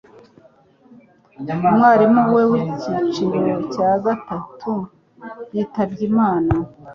umwarimu we wicyiciro cya gatatu yitabye Imana